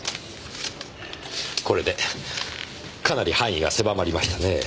これでかなり範囲が狭まりましたねぇ。